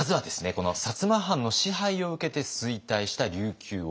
この摩藩の支配を受けて衰退した琉球王国。